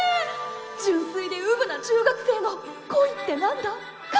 純粋でうぶな中学生の「恋って何だ？」かぁ！